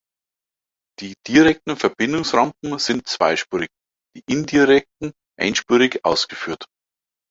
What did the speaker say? Die direkten Verbindungsrampen sind zweispurig, die indirekten einspurig ausgeführt.